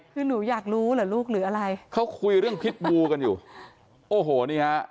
คือหนูอยากรู้เหรอลูกหรืออะไรเขาคุยเรื่องพิษบูกันอยู่โอ้โหนี่ฮะ